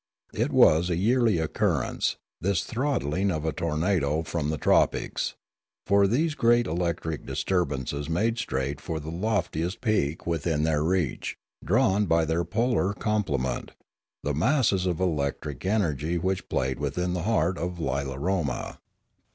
It was a yearly occurrence, this throttling of a tornado from the tropics; for these great electric disturbances made straight for the loftiest peak within their reach, drawn by their polar complement, the masses of electric energy which played within the heart of Lilaroma.